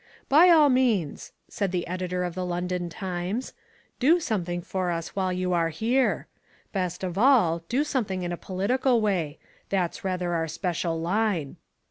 "By all means," said the editor of the London Times, "do some thing for us while you are here. Best of all, do something in a political way; that's rather our special line."